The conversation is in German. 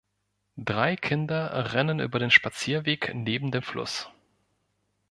Drei Kinder rennen über den Spazierweg neben dem Fluss.